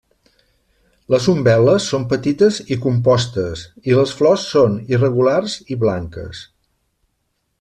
Les umbel·les són petites i compostes i les flors són irregulars i blanques.